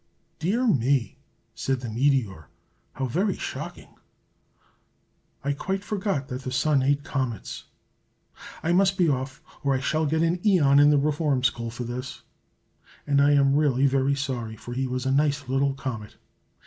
"Dear me!" said the meteor. "How very shocking! I quite forgot that the Sun ate comets. I must be off, or I shall get an æon in the Reform School for this. I am really very sorry, for he was a nice little comet!"